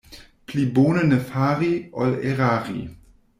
Pli bone ne fari, ol erari.